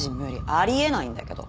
あり得ないんだけど。